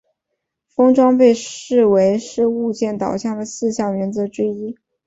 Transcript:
封装被视为是物件导向的四项原则之一。